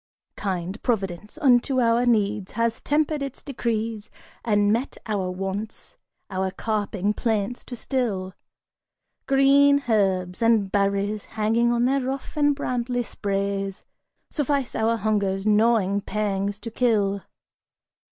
Kind Providence unto our needs has tempered its decrees And met our wants, our carping plaints to still Green herbs, and berries hanging on their rough and brambly sprays Suffice our hunger's gnawing pangs to kill.